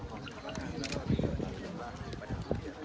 อ๋อมาใช่หรือยังคะ